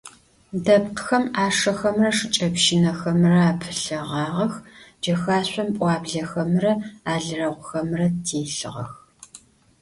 Depkhıxem 'aşşexemre şşıç'epşınexemre apılheğağex, cexaşsom p'uablexemre alreğuxemre têlhığex.